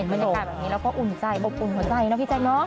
เห็นความรู้สึกแบบนี้แล้วก็อุ่นใจบบอุ่นหัวใจนะพี่จันเนอะ